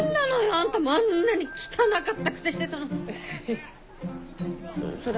あんたあんなに汚かったくせしてそのそれ。